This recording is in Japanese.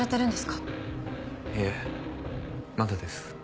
いえまだです。